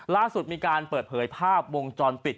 ล่าสุดมีการเปิดเผยภาพวงจรปิด